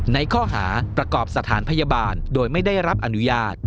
ในข้อหาประกอบสถานพยาบาลโดยไม่ได้รับอนุญาต